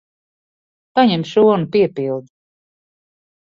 Paņem šo un piepildi.